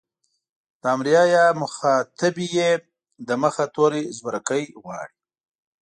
د امريه يا مخاطبې ئ د مخه توری زورکی غواړي.